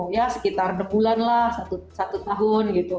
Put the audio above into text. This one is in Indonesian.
ya sekitar dua bulan lah satu tahun gitu